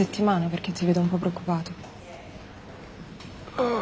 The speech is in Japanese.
ああ。